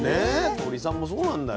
鶏さんもそうなんだよ。